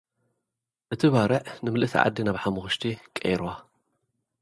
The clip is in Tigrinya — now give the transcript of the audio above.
እቲ ባርዕ፡ ንምልእቲ ዓዲ ናብ ሓሙኽሽቲ ቀይርዋ።